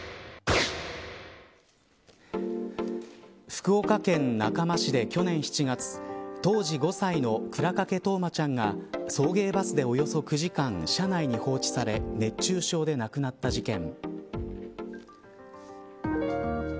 福岡県中間市で去年７月当時５歳の倉掛冬生ちゃんが送迎バスでおよそ９時間、車内に放置され熱中症で亡くなった事件。